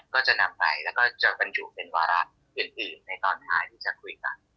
ก็จะนำไปแล้วก็จะบรรจุเป็นวาระอื่นในตอนท้ายที่จะคุยกัน